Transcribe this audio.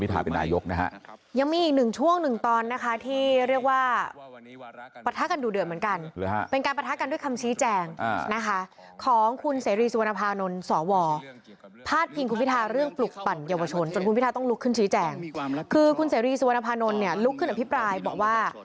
ท่านมนภานนท์ลุกขึ้นกับพี่ปลายบอกว่า